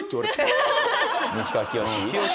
西川きよし？